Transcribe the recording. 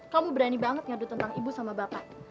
kamu berani banget ngadu tentang ibu sama bapak